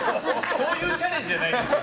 そういうチャレンジじゃないですよ。